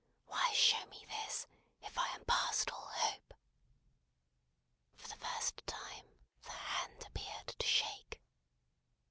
Why show me this, if I am past all hope!" For the first time the hand appeared to shake.